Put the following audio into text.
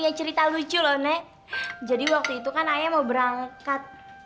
jangan coba coba mendekat